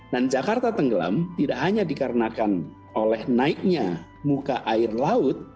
dan jakarta tenggelam tidak hanya dikarenakan oleh naiknya muka air laut